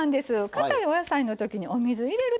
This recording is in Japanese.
かたいお野菜の時にお水入れるとね